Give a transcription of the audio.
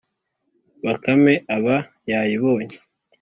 , Bakame iba yayibonye